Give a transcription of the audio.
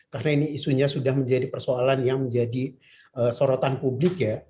karena ini sudah menjadi persoalan yang menjadi sorotan publik